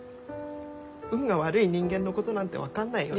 運が悪い人間のことなんて分かんないよね。